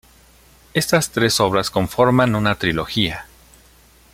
Estas tres obras conforman una trilogía.